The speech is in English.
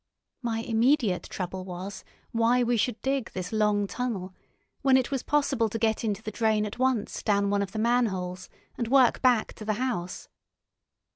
My immediate trouble was why we should dig this long tunnel, when it was possible to get into the drain at once down one of the manholes, and work back to the house.